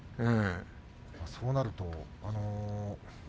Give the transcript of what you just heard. そうなると。